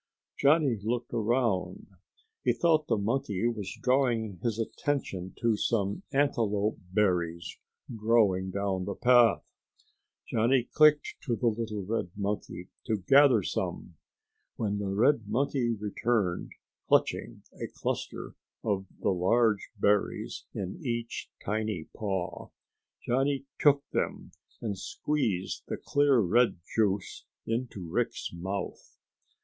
Johnny looked around. He thought the monkey was drawing his attention to some antelope berries growing down the path. Johnny clicked to the little red monkey to gather some. When the red monkey returned, clutching a cluster of the large berries in each tiny paw, Johnny took them and squeezed the clear red juice into Rick's mouth.